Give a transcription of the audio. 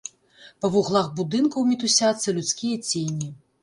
Па вуглах будынкаў мітусяцца людскія цені.